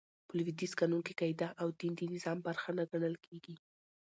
په لوېدیځ قانون کښي عقیده او دين د نظام برخه نه ګڼل کیږي.